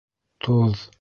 Тоҙ